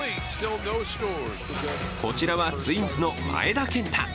こちらはツインズの前田健太。